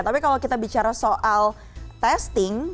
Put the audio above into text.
tapi kalau kita bicara soal testing